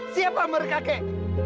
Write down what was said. siapa mereka kek